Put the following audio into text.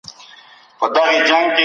د انسان د عزت ساتل مهم فردي حق دی.